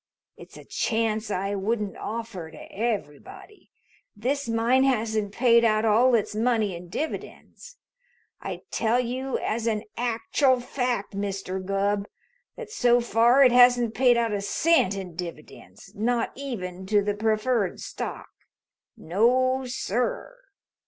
It's a chance I wouldn't offer to everybody. This mine hasn't paid out all its money in dividends. I tell you as an actual fact, Mr. Gubb, that so far it hasn't paid out a cent in dividends, not even to the preferred stock. No, sir!